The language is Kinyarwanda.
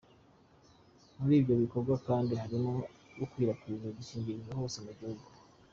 Muri ibyo bikorwa kandi harimo gukwirakwiza udukingirizo hose mu gihugu.